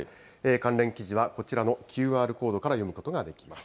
関連記事はこちらのＱＲコードから読むことができます。